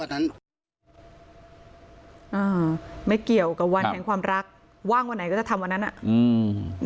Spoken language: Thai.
อ่าไม่เกี่ยวกับวันแห่งความรักว่างวันไหนก็จะทำวันนั้นอ่ะอืม